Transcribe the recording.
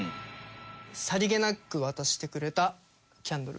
さりげなく渡してくれたキャンドル。